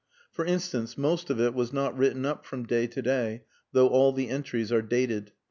For instance, most of it was not written up from day to day, though all the entries are dated.